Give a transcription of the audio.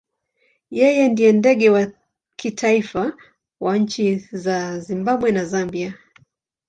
Yeye ndiye ndege wa kitaifa wa nchi za Zimbabwe na Zambia.